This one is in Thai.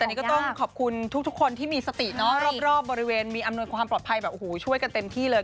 แต่นี่ก็ต้องขอบคุณทุกคนที่มีสติเนอะรอบบริเวณมีอำนวยความปลอดภัยแบบโอ้โหช่วยกันเต็มที่เลย